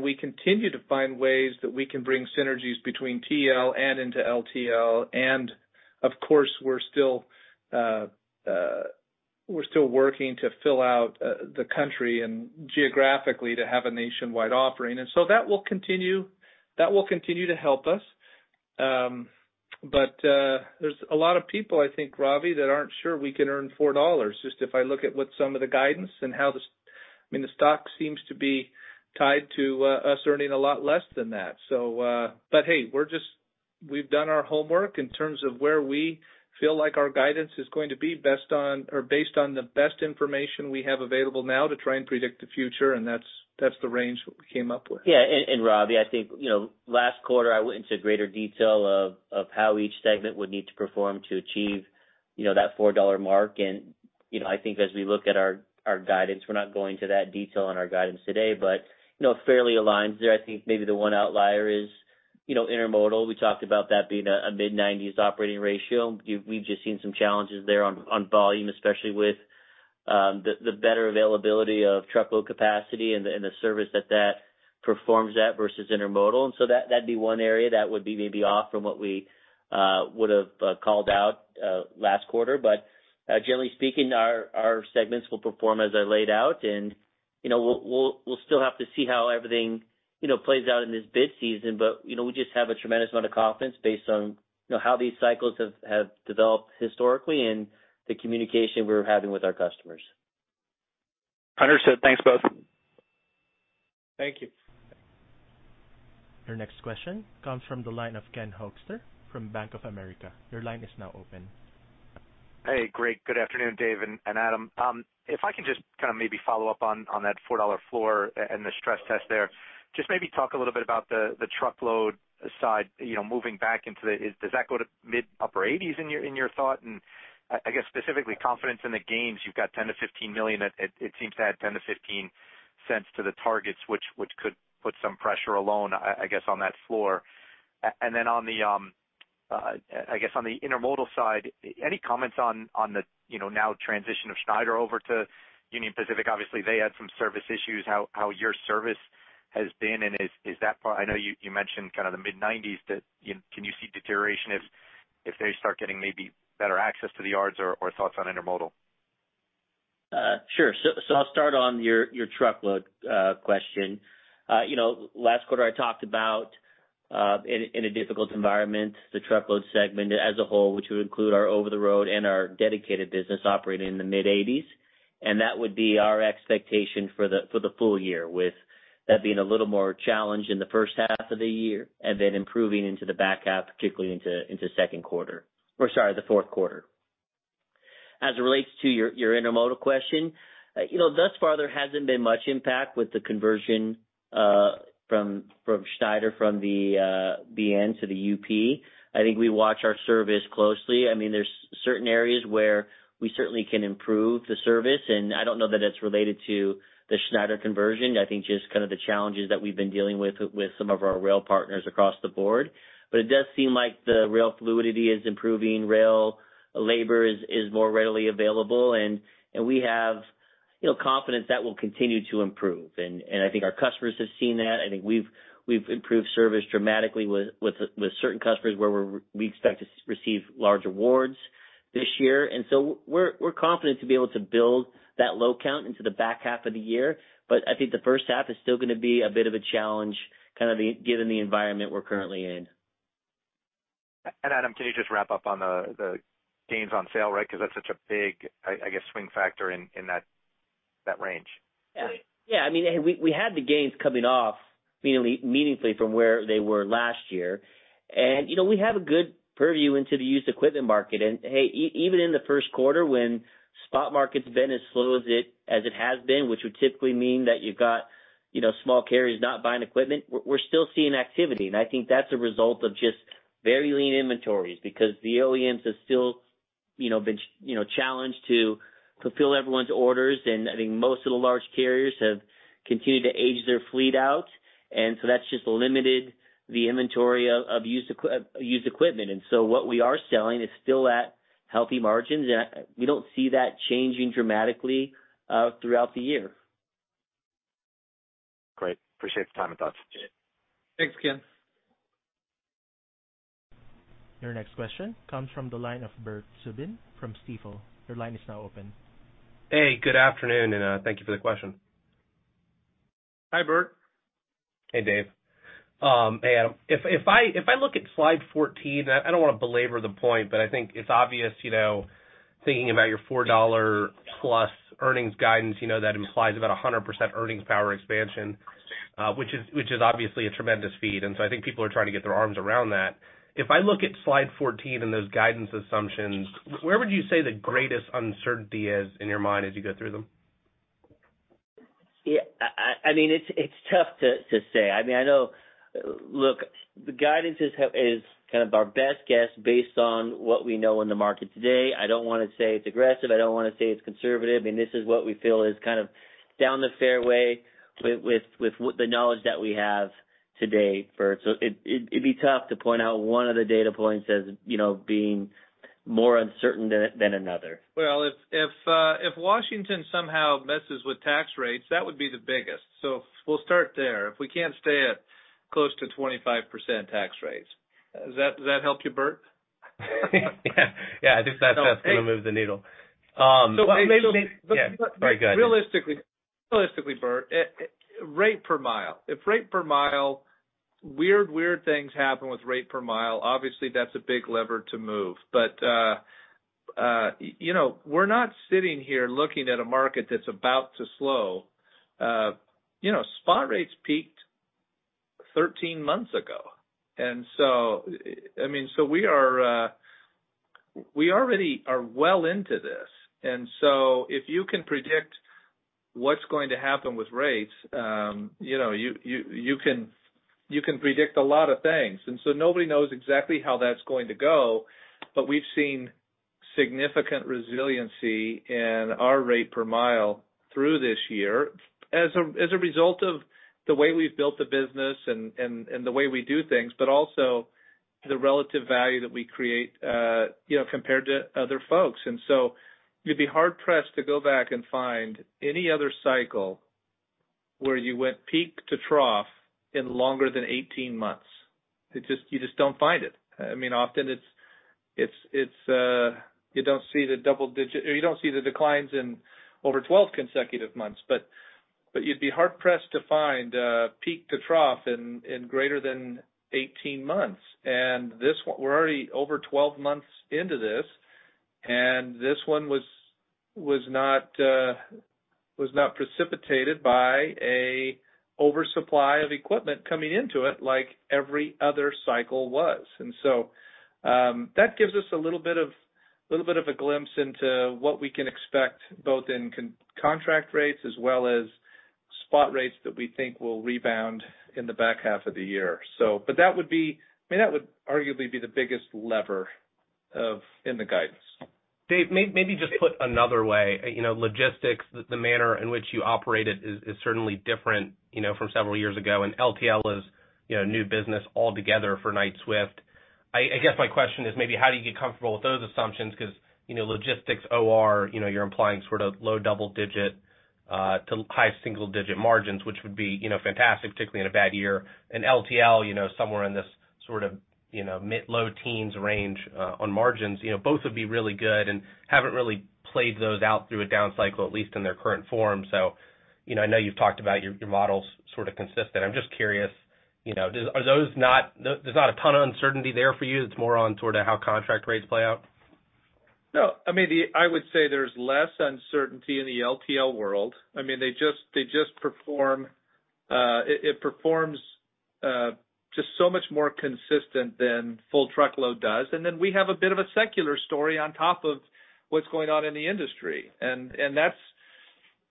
We continue to find ways that we can bring synergies between TL and into LTL. We're still working to fill out the country and geographically to have a nationwide offering. That will continue. That will continue to help us. There's a lot of people, I think, Ravi, that aren't sure we can earn $4. Just if I look at what some of the guidance and how the. I mean, the stock seems to be tied to, us earning a lot less than that. Hey, we've done our homework in terms of where we feel like our guidance is going to be best on or based on the best information we have available now to try and predict the future. That's the range we came up with. Yeah. Ravi, I think, you know, last quarter I went into greater detail of how each segment would need to perform to achieve, you know, that $4 mark. You know, I think as we look at our guidance, we're not going to that detail on our guidance today. You know, it fairly aligns there. I think maybe the one outlier is, you know, Intermodal. We talked about that being a mid-90s operating ratio. We've just seen some challenges there on volume, especially with the better availability of truckload capacity and the service that that performs at versus Intermodal. So that'd be one area that would be maybe off from what we would've called out last quarter. Generally speaking, our segments will perform as I laid out. You know, we'll still have to see how everything, you know, plays out in this bid season. You know, we just have a tremendous amount of confidence based on, you know, how these cycles have developed historically and the communication we're having with our customers. Understood. Thanks both. Thank you. Your next question comes from the line of Ken Hoexter from Bank of America. Your line is now open. Hey. Great. Good afternoon, Dave and Adam. If I can just kind of maybe follow up on that $4 floor and the stress test there. Just maybe talk a little bit about the truckload side, you know, moving back into the... Does that go to mid upper-80s in your thought? I guess specifically confidence in the gains. You've got $10 million-$15 million. It seems to add $0.10-$0.15 to the targets which could put some pressure alone, I guess, on that floor. Then on the Intermodal side, any comments on the, you know, now transition of Schneider over to Union Pacific? Obviously they had some service issues, how your service has been, and is that part... I know you mentioned kind of the mid-90s that, you know, can you see deterioration if they start getting maybe better access to the yards or thoughts on Intermodal? Sure. I'll start on your truckload question. You know, last quarter I talked about in a difficult environment, the Truckload segment as a whole, which would include our over-the-road and our dedicated business operating in the mid 80s, and that would be our expectation for the full year, with that being a little more challenged in the first half of the year and then improving into the back half, particularly into second quarter. Or sorry, the fourth quarter. As it relates to your Intermodal question, you know, thus far there hasn't been much impact with the conversion from Schneider from the BN to the UP. I think we watch our service closely. I mean, there's certain areas where we certainly can improve the service, and I don't know that it's related to the Schneider conversion. I think just the challenges that we've been dealing with some of our rail partners across the board. It does seem like the rail fluidity is improving. Rail labor is more readily available, we have, you know, confidence that will continue to improve. I think our customers have seen that. I think we've improved service dramatically with certain customers where we expect to receive large awards this year. We're confident to be able to build that low count into the back half of the year. I think the first half is still gonna be a bit of a challenge given the environment we're currently in. Adam, can you just wrap up on the gains on sale rec, 'cause that's such a big, I guess, swing factor in that range. Yeah. Yeah. I mean, we had the gains coming off meaningfully from where they were last year. You know, we have a good purview into the used equipment market. Hey, even in the first quarter when spot market's been as slow as it has been, which would typically mean that you've got, you know, small carriers not buying equipment, we're still seeing activity. I think that's a result of just very lean inventories because the OEMs have still, you know, been, you know, challenged to fulfill everyone's orders. I think most of the large carriers have continued to age their fleet out. That's just limited the inventory of used equipment. What we are selling is still at healthy margins. We don't see that changing dramatically throughout the year. Great. Appreciate the time and thoughts. Thanks, Ken. Your next question comes from the line of Bert Subin from Stifel. Your line is now open. Hey, good afternoon, and, thank you for the question. Hi, Bert. Hey, Dave. Hey, Adam. If I look at slide 14, I don't wanna belabor the point, but I think it's obvious, you know, thinking about your $4 plus earnings guidance, you know, that implies about a 100% earnings power expansion, which is obviously a tremendous feat. I think people are trying to get their arms around that. If I look at slide 14 and those guidance assumptions, where would you say the greatest uncertainty is in your mind as you go through them? I mean, it's tough to say. I mean, the guidance is kind of our best guess based on what we know in the market today. I don't wanna say it's aggressive. I don't wanna say it's conservative, this is what we feel is kind of down the fairway with the knowledge that we have today, Bert. It'd be tough to point out one of the data points as, you know, being more uncertain than another. Well, if Washington somehow messes with tax rates, that would be the biggest. We'll start there. If we can't stay at close to 25% tax rates. Does that help you, Bert? Yeah. Yeah, I think that's gonna move the needle. So maybe- Yeah. All right, go ahead. Realistically, Bert, rate per mile. If rate per mile. Weird things happen with rate per mile, obviously that's a big lever to move. You know, we're not sitting here looking at a market that's about to slow. You know, spot rates peaked 13 months ago. I mean, so we are, we already are well into this. If you can predict what's going to happen with rates, you know, you can predict a lot of things. Nobody knows exactly how that's going to go, but we've seen significant resiliency in our rate per mile through this year as a result of the way we've built the business and the way we do things, but also the relative value that we create, you know, compared to other folks. You'd be hard-pressed to go back and find any other cycle where you went peak to trough in longer than 18 months. You just don't find it. I mean, often it's, you don't see the double digit. Or you don't see the declines in over 12 consecutive months. You'd be hard-pressed to find peak to trough in greater than 18 months. This one, we're already over 12 months into this, and this one was not precipitated by a oversupply of equipment coming into it like every other cycle was. That gives us a little bit of a glimpse into what we can expect both in contract rates as well as spot rates that we think will rebound in the back half of the year. But I mean, that would arguably be the biggest lever of, in the guidance. Dave, maybe just put another way, you know, Logistics, the manner in which you operate it is certainly different, you know, from several years ago, and LTL is, you know, new business altogether for Knight-Swift. I guess my question is maybe how do you get comfortable with those assumptions? Because, you know, Logistics OR, you know, you're implying sort of low double-digit to high single-digit margins, which would be, you know, fantastic, particularly in a bad year. And LTL, you know, somewhere in this sort of, you know, mid-low teens range on margins. You know, both would be really good and haven't really played those out through a down cycle, at least in their current form. I know you've talked about your models sort of consistent. I'm just curious, you know, are those not... There's not a ton of uncertainty there for you, it's more on sort of how contract rates play out? No, I mean, I would say there's less uncertainty in the LTL world. I mean, it performs just so much more consistent than full truckload does. We have a bit of a secular story on top of what's going on in the industry. That's.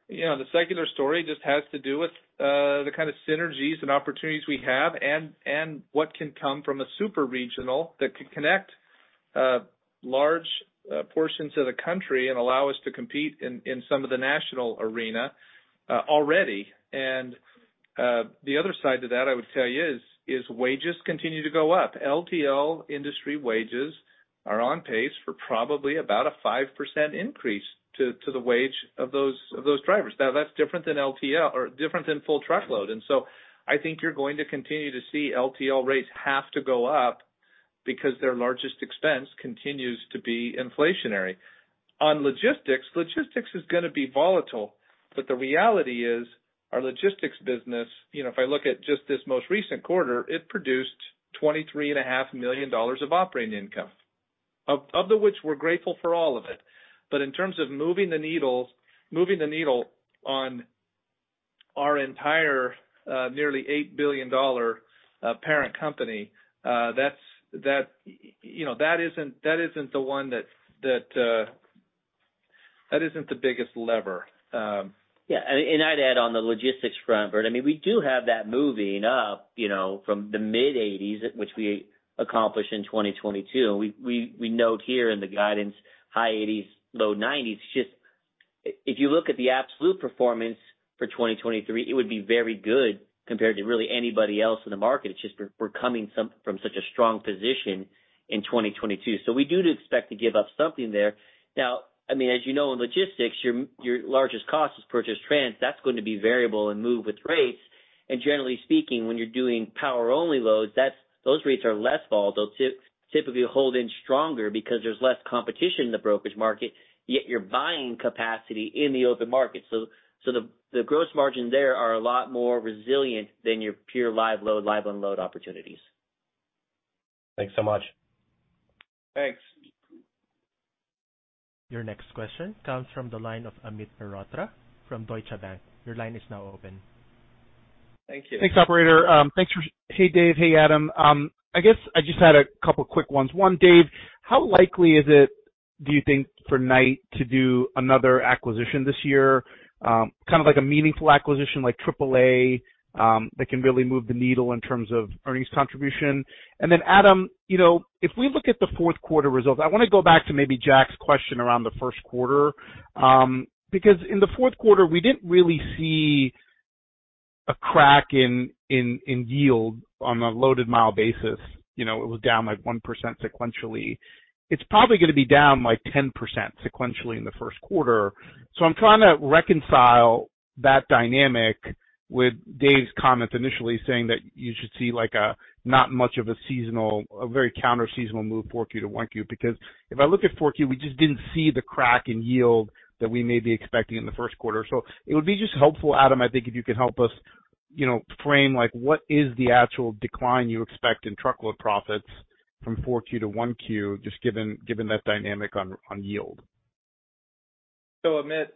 You know, the secular story just has to do with the kind of synergies and opportunities we have, and what can come from a super regional that can connect large portions of the country and allow us to compete in some of the national arena already. The other side to that, I would tell you, wages continue to go up. LTL industry wages are on pace for probably about a 5% increase to the wage of those drivers. That's different than LTL or different than full truckload. I think you're going to continue to see LTL rates have to go up because their largest expense continues to be inflationary. On Logistics is gonna be volatile, the reality is our Logistics business, you know, if I look at just this most recent quarter, it produced $23 and $500, 000 of operating income, of which we're grateful for all of it. In terms of moving the needles, moving the needle on our entire, nearly $8 billion parent company, that's, that, you know, that isn't, that isn't the one that, that isn't the biggest lever. I'd add on the Logistics front, Bert, I mean, we do have that moving up, you know, from the mid 80s, which we accomplished in 2022. We note here in the guidance high 80s, low 90s. Just if you look at the absolute performance for 2023, it would be very good compared to really anybody else in the market. It's just we're coming from such a strong position in 2022. We do expect to give up something there. Now, I mean, as you know, in Logistics, your largest cost is purchased transportation. That's going to be variable and move with rates. Generally speaking, when you're doing power-only loads, that's, those rates are less volatile. Typically hold in stronger because there's less competition in the brokerage market, yet you're buying capacity in the open market. The Gross margin there are a lot more resilient than your pure live load, live unload opportunities. Thanks so much. Thanks. Your next question comes from the line of Amit Mehrotra from Deutsche Bank. Your line is now open. Thank you. Thanks, operator. Hey, Dave. Hey, Adam. I guess I just had a couple quick ones. One, Dave, how likely is it, do you think, for Knight to do another acquisition this year? Kind of like a meaningful acquisition like AAA, that can really move the needle in terms of earnings contribution. Adam, you know, if we look at the fourth quarter results, I wanna go back to maybe Jack's question around the first quarter. Because in the fourth quarter, we didn't really see a crack in yield on a loaded mile basis. You know, it was down like 1% sequentially. It's probably gonna be down like 10% sequentially in the first quarter. I'm trying to reconcile that dynamic with Dave's comment initially saying that you should see like not much of a seasonal, a very counterseasonal move, 4Q to 1Q, because if I look at 4Q, we just didn't see the crack in yield that we may be expecting in the first quarter. It would be just helpful, Adam, I think if you could help us, you know, frame like what is the actual decline you expect in truckload profits from 4Q to 1Q, just given that dynamic on yield. Amit,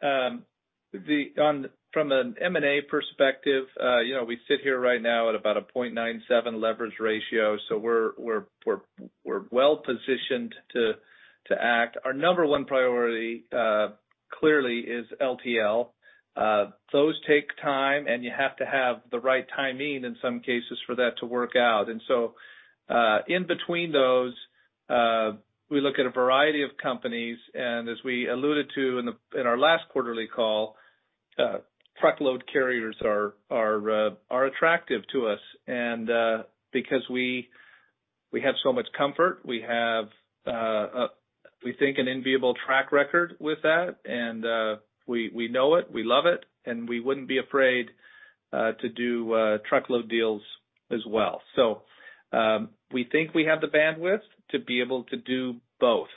from an M&A perspective, you know, we sit here right now at about a 0.97 leverage ratio. We're well-positioned to act. Our number one priority, clearly is LTL. Those take time, and you have to have the right timing in some cases for that to work out. In between those, we look at a variety of companies, and as we alluded to in our last quarterly call, truckload carriers are attractive to us. Because we have so much comfort, we have, we think an enviable track record with that, and we know it, we love it, and we wouldn't be afraid to do truckload deals as well. We think we have the bandwidth to be able to do both.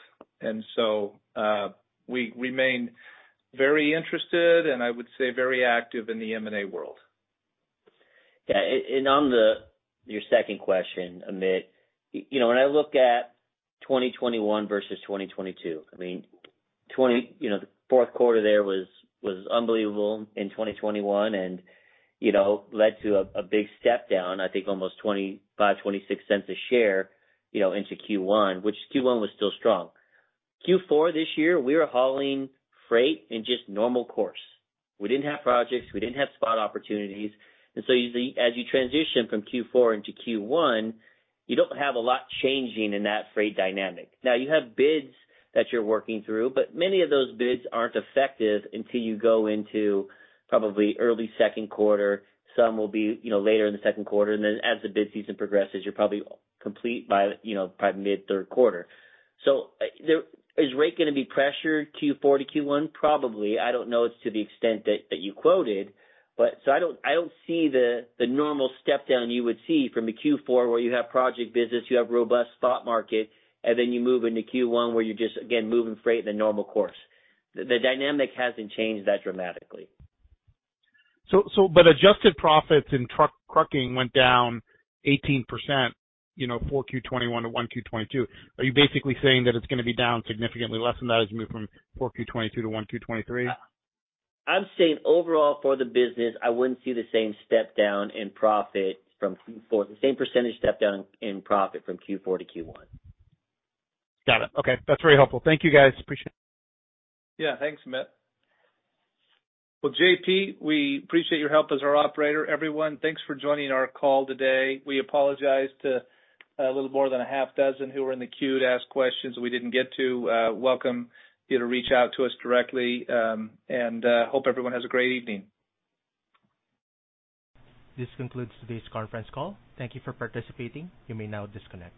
We remain very interested and I would say very active in the M&A world. Yeah. Your second question, Amit, you know, when I look at 2021 versus 2022, I mean, you know, the fourth quarter there was unbelievable in 2021 and, you know, led to a big step down, I think almost $0.25-$0.26 a share, you know, into Q1, which Q1 was still strong. Q4 this year, we are hauling freight in just normal course. We didn't have projects, we didn't have spot opportunities. Usually as you transition from Q4 into Q1, you don't have a lot changing in that freight dynamic. Now, you have bids that you're working through, but many of those bids aren't effective until you go into probably early second quarter. Some will be, you know, later in the second quarter. As the bid season progresses, you're probably complete by, you know, probably mid third quarter. Is rate gonna be pressured Q4 to Q1? Probably. I don't know it's to the extent that you quoted, but I don't see the normal step down you would see from a Q4 where you have project business, you have robust spot market, and then you move into Q1 where you're just, again, moving freight in the normal course. The dynamic hasn't changed that dramatically. adjusted profits in trucking went down 18%, you know, 4Q 2021 to 1Q 2022. Are you basically saying that it's gonna be down significantly less than that as you move from 4Q 2022 to 1Q 2023? I'm saying overall for the business, I wouldn't see the same step down in profit from Q4, the same percentage step down in profit from Q4 to Q1. Got it. Okay. That's very helpful. Thank you, guys. Appreciate it. Yeah. Thanks, Amit. Well, JP, we appreciate your help as our operator. Everyone, thanks for joining our call today. We apologize to a little more than a half dozen who were in the queue to ask questions we didn't get to. Welcome you to reach out to us directly, and hope everyone has a great evening. This concludes today's conference call. Thank Thank you for participating. You may now disconnect.